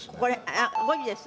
あっ５時です。